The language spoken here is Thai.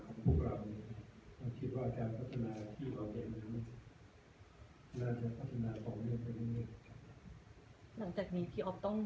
ก็น่าจะพัฒนาตรงเนื่องกันยังไงดี